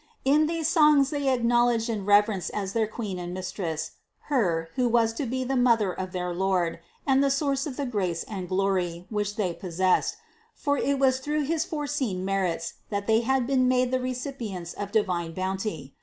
In these songs they acknowledged and reverenced as their Queen and Mistress, Her, who was to be the Mother of their Lord, and the source of the grace and glory, which they possessed ; for it was through his fore seen merits, that they had been made the recipients of the divine bounty.